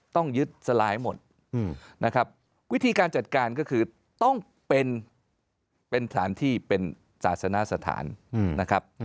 ต้องยึดสลายหมดนะครับวิธีการจัดการก็คือต้องเป็นสถานที่เป็นศาสนสถานนะครับ